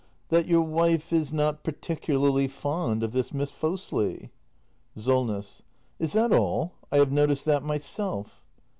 — that your wife is not particularly fond of this Miss Fosli. SOLNESS. Is that all ? I have noticed that myself.